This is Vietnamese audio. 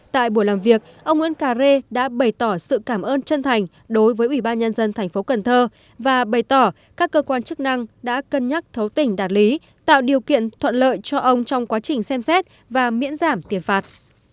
tại buổi làm việc ông nguyễn cà rê đã bày tỏ sự cảm ơn chân thành đối với ủy ban nhân dân thành phố cần thơ và bày tỏ các cơ quan chức năng đã cân nhắc thấu tình đạt lý tạo điều kiện thuận lợi cho ông trong quá trình xem xét và miễn giảm tiền phạt